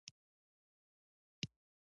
ته به خپلې څېړنې په علمي روحیه کوې.